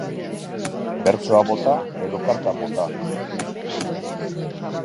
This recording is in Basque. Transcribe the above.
Bertsoa bota edo kartak bota.